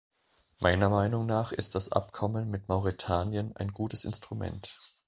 Meiner Meinung nach ist das Abkommen mit Mauretanien ein gutes Instrument.